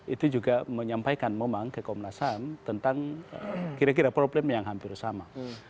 itu juga menyampaikan momang ke komnas ham tentang kira kira problem yang hampir sama